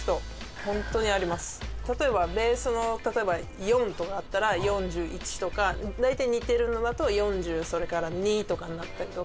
例えばベースの例えば４とかだったら４１とか大体似ているのだと４２とかになったりとか。